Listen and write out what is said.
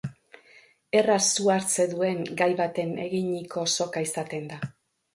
Erraz su hartzen duen gai batez eginiko soka izaten da.